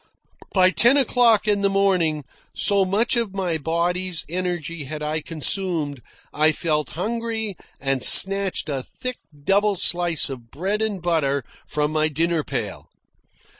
By ten o'clock in the morning, so much of my body's energy had I consumed, I felt hungry and snatched a thick double slice of bread and butter from my dinner pail.